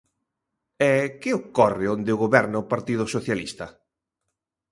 E, ¿que ocorre onde goberna o Partido Socialista?